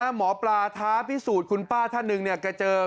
หมอปลาท้าพิสูจน์คุณป้าท่านหนึ่งเนี่ยแกเจอ